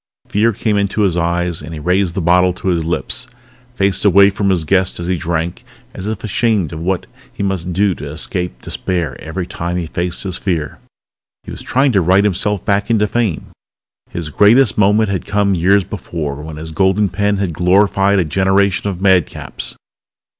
Fear came into his eyes and he raised the bottle to his lips, faced away from his guest as he drank as if ashamed of what he must do to escape despair every time he faced his fear. He was trying to write himself back into fame. His greatest moment had come years before when his golden pen had glorified a generation of madcaps.